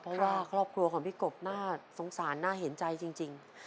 เพราะว่าครอบครัวของพี่กบน่าสงสารน่าเห็นใจจริง